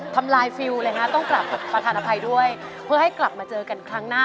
ทำลายฟิลเลยฮะต้องกลับประธานอภัยด้วยเพื่อให้กลับมาเจอกันครั้งหน้า